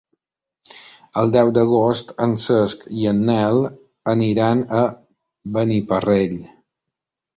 El deu d'agost en Cesc i en Nel aniran a Beniparrell.